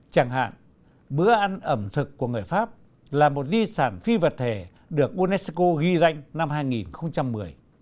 chẳng hạn bữa ăn ẩm thực của người pháp là một di sản phi vật thể được unesco ghi danh năm hai nghìn một mươi